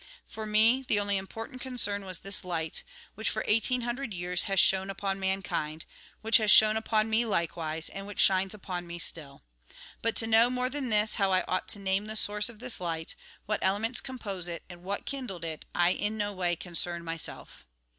For me, the only important concern was this light, which, for eighteen hundred years, has shone upon mankind ; which has shone upon me likewise, and which shines upon me still. But to know, more than this, how I ought to name the source of this light, what elements compose it, and what kindled it, I in no way concerned myself.